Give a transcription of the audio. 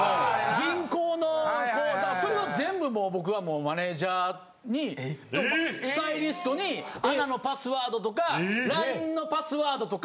銀行のそれを全部もう僕はマネージャーにスタイリストにＡＮＡのパスワードとかＬＩＮＥのパスワードとか。